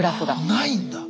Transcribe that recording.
ないんだ。